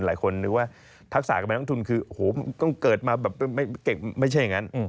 หลายคนนึกว่าทักษะกำลังทุนคือโอ้โหต้องเกิดมาแบบไม่ใช่อย่างนั้น